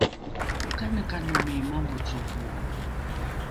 okanekanomi mavocoro?